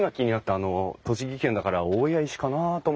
あの栃木県だから大谷石かなあと思ったんですけど。